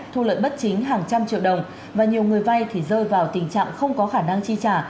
thu lợi bất chính hàng trăm triệu đồng và nhiều người vay thì rơi vào tình trạng không có khả năng chi trả